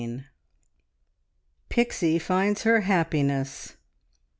PIXIE FINDS HER HAPPINESS.